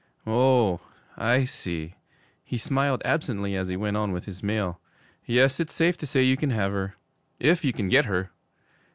Oh, I see.' He smiled absently as he went on with his mail. 'Yes, it's safe to say you can have her if you can get her.'